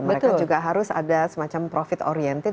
mereka juga harus ada semacam profit oriented